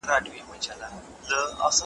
د وصال په شپه کي راغلم له هجران سره همزولی ,